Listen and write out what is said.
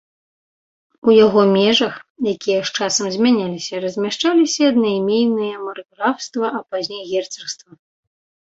У яго межах, якія з часам змяняліся, размяшчаліся аднайменныя маркграфства, а пазней герцагства.